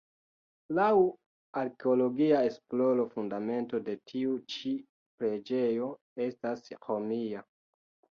Laŭ arkeologia esploro fundamento de tiu ĉi preĝejo estas Romia.